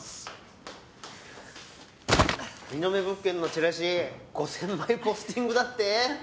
リノベ物件のチラシ５０００枚ポスティングだって？